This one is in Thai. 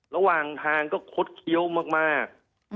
ระหว่างทางก็คดเคี้ยวมาก